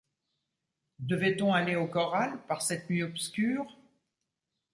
Devait-on aller au corral par cette nuit obscure ?